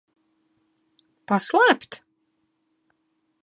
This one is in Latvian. Paslēpt?